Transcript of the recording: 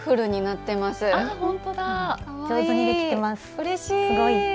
うれしい！